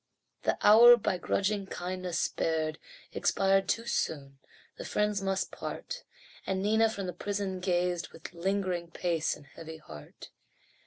The hour by grudging kindness spared Expired too soon the friends must part And Nina from the prison gazed, With lingering pace and heavy heart.